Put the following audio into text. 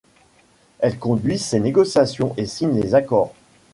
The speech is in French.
Elle conduit ces négociations et signe les accords.